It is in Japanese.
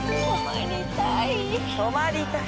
泊まりたい。